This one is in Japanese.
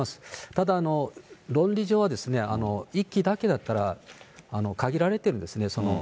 ただ、論理上は１基だけだったら限られてるんですね。